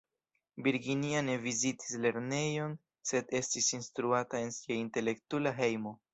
Virginia ne vizitis lernejon, sed estis instruata en sia intelektula hejmo.